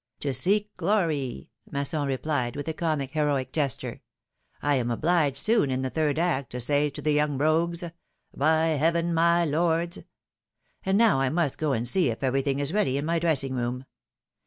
"To seek glory Masson replied, with a comic heroic gesture. " I am obliged soon, in the third act, to say to the young rogues: 'By heaven, my lords —' And how 'I must go and see if everything is ready in my dressing room.